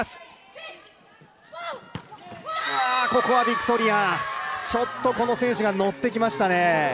ビクトリア、ちょっとこの選手がノッてきましたね。